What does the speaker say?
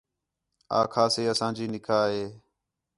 آکھا سے اسانجی نکاح ہِے